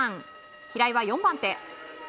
平井は４番手。